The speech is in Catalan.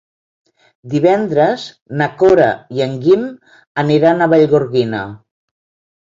Divendres na Cora i en Guim aniran a Vallgorguina.